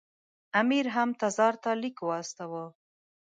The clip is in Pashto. امیر هم تزار ته لیک واستاوه.